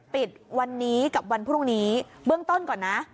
ปิดวันนี้กับวันพรุ่งนี้เบื้องต้นก่อนนะ